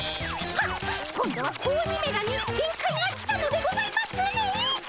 はっ今度は子鬼めらに限界が来たのでございますね。